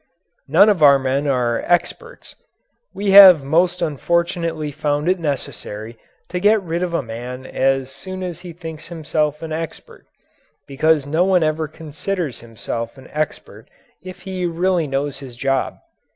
None of our men are "experts." We have most unfortunately found it necessary to get rid of a man as soon as he thinks himself an expert because no one ever considers himself expert if he really knows his job.